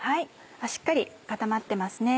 しっかり固まってますね。